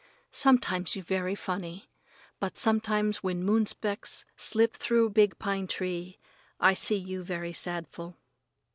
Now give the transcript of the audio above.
Sometimes you very funny, but sometimes when moon specks slip through big pine tree, I see you very sadful.